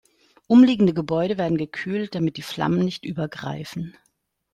Umliegende Gebäude werden gekühlt, damit die Flammen nicht übergreifen.